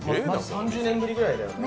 ３０年ぶりぐらいだよ。